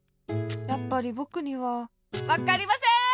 やっぱりぼくにはわっかりません！